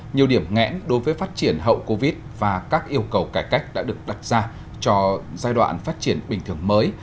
nhiều điểm ngẽn đối với phát triển hậu covid và các yêu cầu cải cách đã được đặt ra cho giai đoạn phát triển bình thường mới